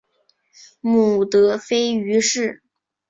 母德妃俞氏。